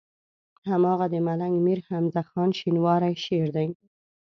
هماغه د ملنګ مير حمزه خان شينواري شعر دی.